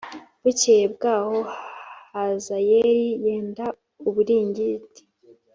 Bukeye bwaho Hazayeli yenda uburingiti